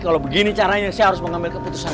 kalau begini caranya saya harus mengambil keputusan